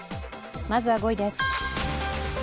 まずは５位です。